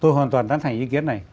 tôi hoàn toàn thân thành ý kiến này